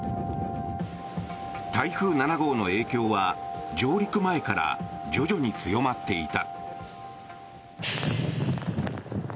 台風７号の影響は上陸前から徐々に強まっていた。